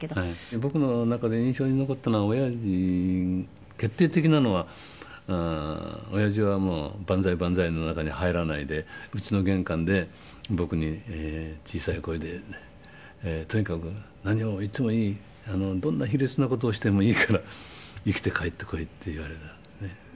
僕の中で印象に残ったのは親父決定的なのは親父はもう「バンザイバンザイ」の中に入らないで家の玄関で僕に小さい声で「とにかく何をおいてもいいどんな卑劣な事をしてもいいから生きて帰ってこい」って言われたんですね。